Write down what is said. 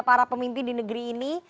para pemimpin di negeri ini